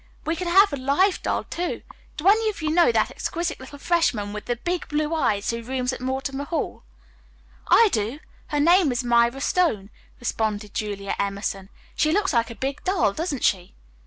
We can have a live doll, too. Do any of you know that exquisite little freshman with the big blue eyes who rooms at Mortimer Hall?" "I do. Her name is Myra Stone," responded Julia Emerson. "She looks like a big doll, doesn't she!"